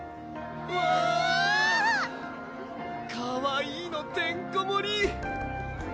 わぁかわいいのてんこ盛り！